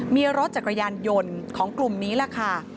มีรถจักรยานยนต์ของกลุ่มนี้แหละค่ะ